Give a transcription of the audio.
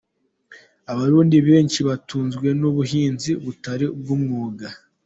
Abarundi benshi batunzwe n’ ubuhinzi butari ubw’ umwuga.